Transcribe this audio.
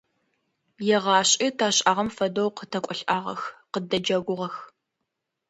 Егъашӏи ташӏагъэм фэдэу къытэкӏолӏагъэх, къыддэджэгугъэх.